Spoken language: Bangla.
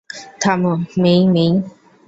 থামো, মেই-মেই।